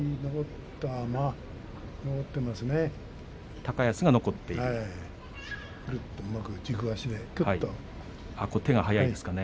高安残っていますよね。